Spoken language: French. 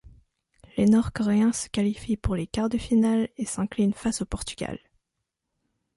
Les Nord-Coréens se qualifient pour les quart de finale et s'inclinent face au Portugal.